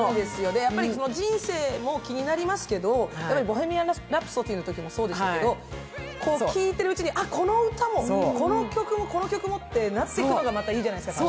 やっぱり人生も気になりますけど、「ボヘミアン・ラプソディ」のときもそうでしたけど聴いてるうちに、この曲も、この曲もってなってくるじゃないですか。